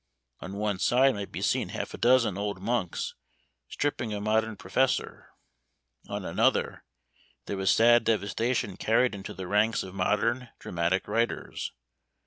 On one side might be seen half a dozen old monks, stripping a modern professor; on another, there was sad devastation carried into the ranks of modern dramatic writers.